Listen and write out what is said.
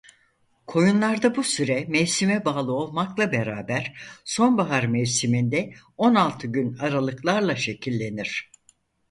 Koyunlarda bu süre mevsime bağlı olmakla beraber sonbahar mevsiminde on altı gün aralıklarla şekillenir.